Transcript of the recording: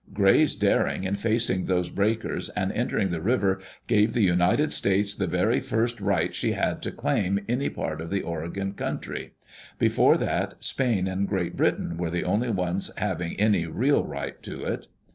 Gray's daring in facing those breakers and entering the river gave the United States the very first right she had to claim any part of the Oregon country; before that, Spain and Great Britain were the only ones having any real right to it.